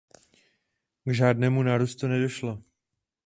K žádnému nárůstu nedošlo.